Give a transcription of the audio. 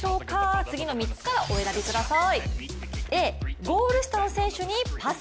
次の３つからお選びください。